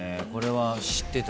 知ってた？